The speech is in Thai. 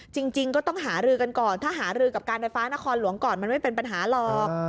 จริงก็ต้องหารือกันก่อนถ้าหารือกับการไฟฟ้านครหลวงก่อนมันไม่เป็นปัญหาหรอก